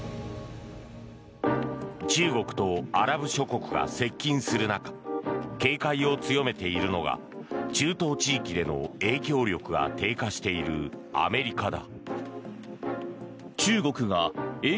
中国とアラブ諸国が接近する中警戒を強めているのが中東地域での影響力が低下しているアメリカだ。